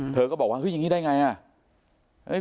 เธอก็บอกว่าเฮ้ยอย่างนี้ได้ไงอ่ะ